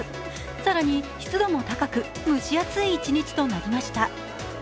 更に湿度も高く、蒸し暑い一日となりました。